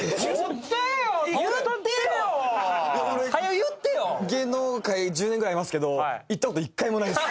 いや俺芸能界１０年ぐらいいますけど言ったこと１回もないっす。